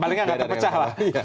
palingan nggak terpecah lah